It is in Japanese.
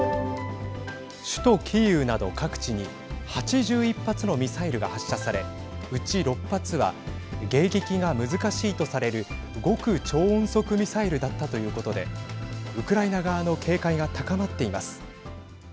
首都キーウなど各地に８１発のミサイルが発射されうち６発は迎撃が難しいとされる極超音速ミサイルだったということでウクライナ側の警戒が高まっています。